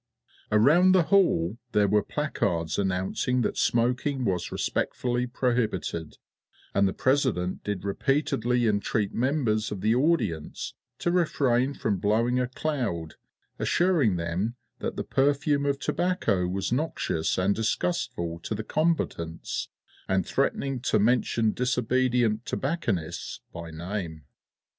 Around the hall there were placards announcing that smoking was respectfully prohibited, and the President did repeatedly entreat members of the audience to refrain from blowing a cloud, assuring them that the perfume of tobacco was noxious and disgustful to the combatants, and threatening to mention disobedient tobacconists by name.